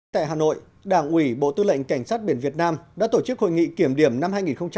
tại hà nội đảng ủy bộ tư lệnh cảnh sát biển việt nam đã tổ chức hội nghị kiểm điểm năm hai nghìn hai mươi